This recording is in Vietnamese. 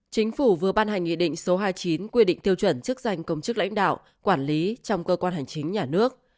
chính phủ vừa ban hành nghị định số hai mươi chín quy định tiêu chuẩn chức danh công chức lãnh đạo quản lý trong cơ quan hành chính nhà nước